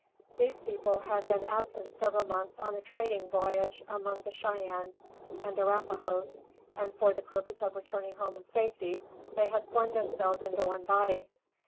These people had been absent several months on a trading voyage among the Cheyennes and Arrapahoes, and for the purpose of returning home in safety, they had formed themselves into one body.